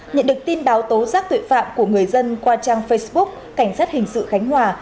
nhận được tin báo tố giác tội phạm của người dân qua trang facebook cảnh sát hình sự khánh hòa